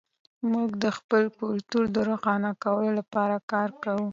موږ د خپل کلتور د روښانه کولو لپاره کار کوو.